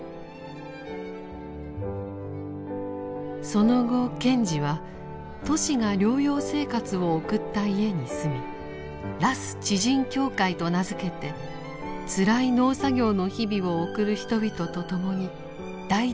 その後賢治はトシが療養生活を送った家に住み羅須地人協会と名付けてつらい農作業の日々を送る人々と共に大地に生きようとしました。